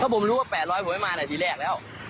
ถ้าผมรู้ว่า๘๐๐บาทผมไม่มาเลยทีแรกแล้ว